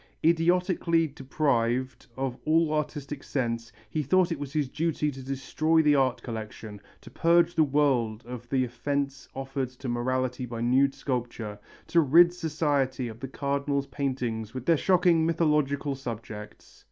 Idiotically deprived of all artistic sense he thought it his duty to destroy the art collection, to purge the world of the offence offered to morality by nude sculpture, to rid society of the Cardinal's paintings with their shocking mythological subjects.